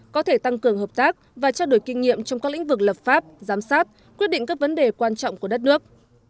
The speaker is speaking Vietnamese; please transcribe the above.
có thể tăng cường hợp tác và trao đổi kinh nghiệm trong các lĩnh vực lập pháp giám sát quyết định các vấn đề quan trọng của đất nước